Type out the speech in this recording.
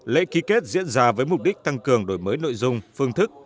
lễ ký kết diễn ra với mục đích tăng cường đổi mới nội dung phương thức